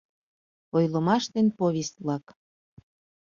Ойлымаш ден повесть-влак